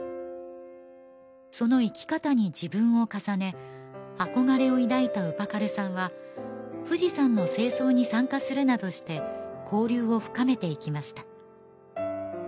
その生き方に自分を重ね憧れを抱いたウパカルさんは富士山の清掃に参加するなどして交流を深めていきました